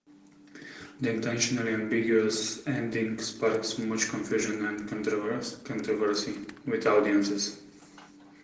The intentionally ambiguous ending sparked much confusion and controversy with audiences.